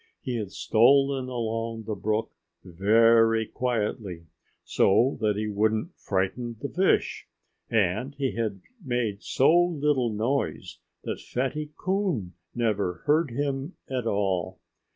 He had stolen along the brook very quietly, so that he wouldn't frighten the fish. And he had made so little noise that Fatty Coon never heard him at all.